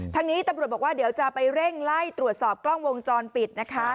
นี้ตำรวจบอกว่าเดี๋ยวจะไปเร่งไล่ตรวจสอบกล้องวงจรปิดนะคะ